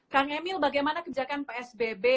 kang emil bagaimana kebijakan psbb